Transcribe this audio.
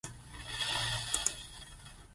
Likhulu iqhaza elibanjwa abasebenza kulolu hlelo.